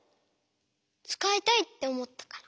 つかいたいっておもったから。